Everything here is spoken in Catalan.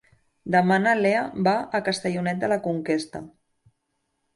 Demà na Lea va a Castellonet de la Conquesta.